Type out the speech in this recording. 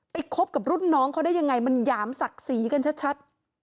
คบกับรุ่นน้องเขาได้ยังไงมันหยามศักดิ์ศรีกันชัด